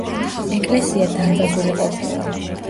ეკლესია დარბაზული ყოფილა.